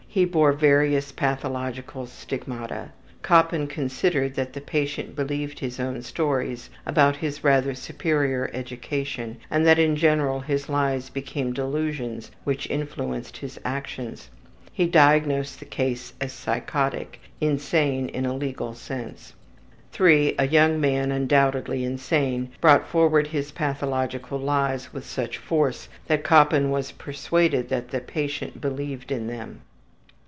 He bore various pathological stigmata. Koppen considered that the patient believed his own stories about his rather superior education and that in general his lies became delusions which influenced his actions. He diagnosed the case as psychotic; insane in a legal sense. III. A young man undoubtedly insane brought forward his pathological lies with such force that Koppen was persuaded that the patient believed in them.